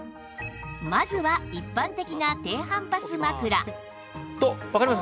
まずは一般的な低反発枕わかります？